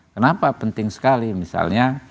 kenapa penting sekali misalnya